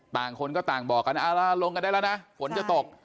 ต่างคนก็ต่างบอกกันลงกันได้แล้วนะฝนจะตก